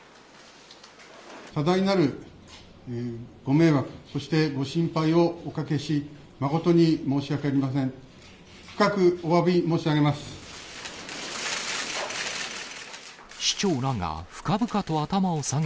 多大なるご迷惑、そしてご心配をおかけし、誠に申し訳ありません。